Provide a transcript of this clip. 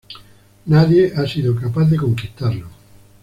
Nadie ha sido capaz de conquistarlo.